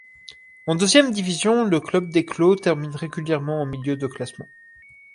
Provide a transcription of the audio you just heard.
En deuxième division, le club d'Eeklo termine régulièrement en milieu de classement.